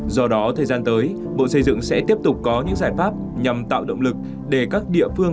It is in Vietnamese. do đó thời gian tới bộ xây dựng sẽ tiếp tục có những giải pháp nhằm tạo động lực để các địa phương